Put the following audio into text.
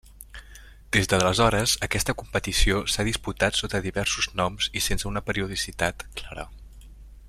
Des d'aleshores aquesta competició s'ha disputat sota diversos noms i sense una periodicitat clara.